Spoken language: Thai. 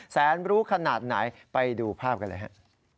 แสนรู้ขนาดไหนไปดูภาพกันเลยฮะ